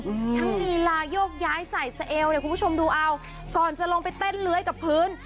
ทั้งลีลายกย้ายใส่สเอลเนี่ยคุณผู้ชมดูเอาก่อนจะลงไปเต้นเลื้อยกับพื้น